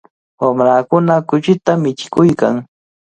Wamrakuna kuchita michikuykan.